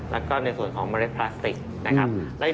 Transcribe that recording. แล้วก็ในส่วนของเมล็ดพลาสติกนะครับ